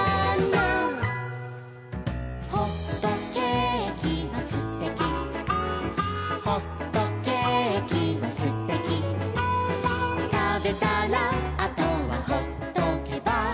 「ほっとけーきはすてき」「ほっとけーきはすてき」「たべたらあとはほっとけば」